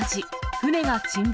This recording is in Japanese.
船が沈没。